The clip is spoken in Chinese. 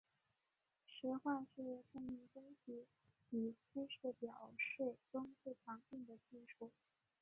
实化是概念分析与知识表示中最常用的技术。